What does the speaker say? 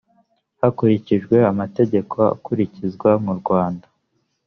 hakurikijwe amategeko akurikizwa mu rwanda